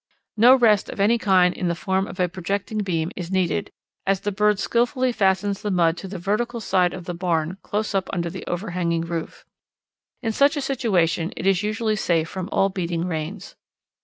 No rest of any kind in the form of a projecting beam is needed, as the bird skilfully fastens the mud to the vertical side of the barn close up under the overhanging roof. In such a situation it is usually safe from all beating rains.